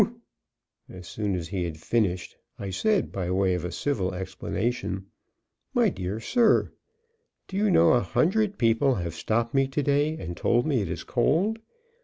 As soon as he had finished, I said, by way of civil explanation: "My dear sir, do you know, a hundred people have stopped me to day and told me it is cold.